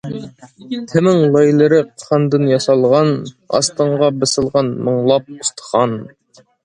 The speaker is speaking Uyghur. تېمىڭ لايلىرى قاندىن ياسالغان، ئاستىڭغا بېسىلغان مىڭلاپ ئۇستىخان!...